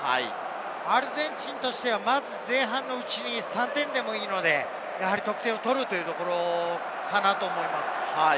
アルゼンチンとしては前半のうちに３点でもいいので、得点を取るというところかなと思います。